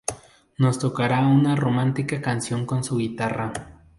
Nos tocará una romántica canción con su guitarra.